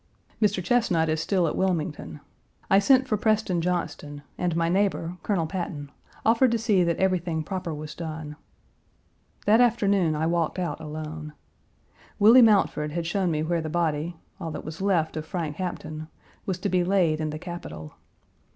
Mr. Chesnut is still at Wilmington. I sent for Preston Johnston, and my neighbor, Colonel Patton, offered to see that everything proper was done. That afternoon I walked out alone. Willie Mountford had shown me where the body, all that was left of Frank Hampton, was to be laid in the Capitol.